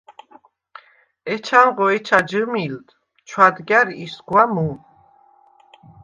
ეჩქანღო ეჩა ჯჷმილდ ჩუ̂ადგა̈რ ისგუ̂ა მუ”.